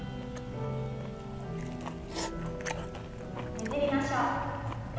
ねじりましょう。